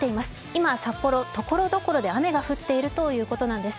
今、札幌、所々で雨が降っているということなんです。